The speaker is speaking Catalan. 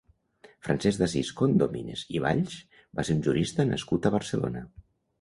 Francesc d'Asís Condomines i Valls va ser un jurista nascut a Barcelona.